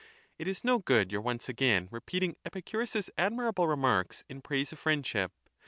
8l It is no good your once again repeating Epicurus's admirable remarks in praise of friendship.